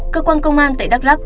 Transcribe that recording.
cơ quan công an tại đắk lắk